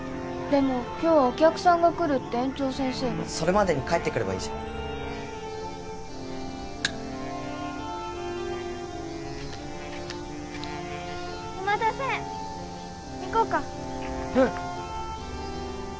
でも今日はお客さんが来るって園長先それまでに帰って来ればいいじゃんお待たせ行こうかうん！